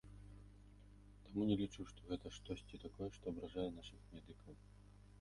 Таму не лічу, што гэта штосьці такое, што абражае нашых медыкаў.